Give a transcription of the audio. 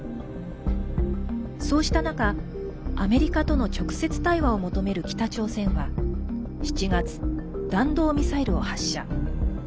そうした中アメリカとの直接対話を求める北朝鮮は、７月弾道ミサイルを発射。